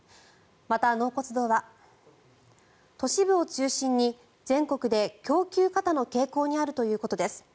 また、納骨堂は都市部を中心に全国で供給過多の傾向にあるということです。